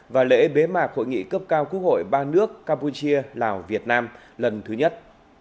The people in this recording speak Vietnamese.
và lễ bế mạc hội nghị cấp cao quốc hội ba nước campuchia lào việt nam lần thứ nhất